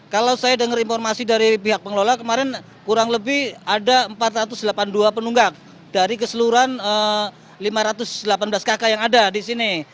kalau saya dengar informasi dari pihak pengelola kemarin kurang lebih ada empat ratus delapan puluh dua penunggak dari keseluruhan lima ratus delapan belas kakak yang ada di sini